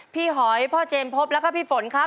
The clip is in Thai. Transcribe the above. พี่หอยพ่อเจมส์พบและค่ะพี่ฝนครับ